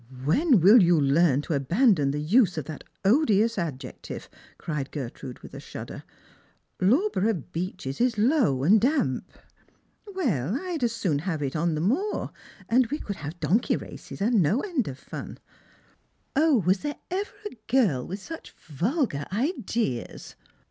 " When will you learn to abandon the use of that odious nr^eciive ?" cried Gertrade with a shudder. " Lawborough Beeches is low and damp." " Well, I'd as soon have it on the moor, and we could have donkey races and no end of fun." "Was there ever a girl with such vulgar ideas?